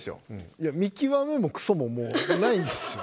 いや見極めもクソももうないんですよ。